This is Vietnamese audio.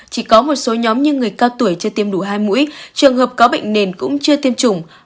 chỉ có một số nhóm như người cao tuổi chưa tiêm đủ hai mũi trường hợp có bệnh nền cũng chưa tiêm chủng